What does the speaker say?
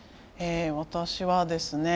私はですね